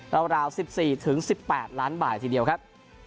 ราว๑๔๑๘ล้านบาททีเดียวครับ